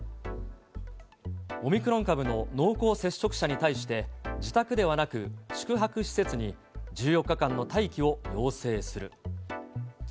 オミクロン株の濃厚接触者に対して、自宅ではなく、宿泊施設に１４日間の待機を要請する。